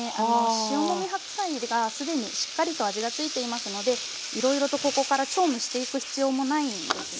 塩もみ白菜が既にしっかりと味が付いていますのでいろいろとここから調味していく必要もないんですね。